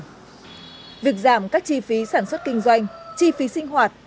việc giảm các chi phí sản xuất kinh doanh chi phí sinh hoạt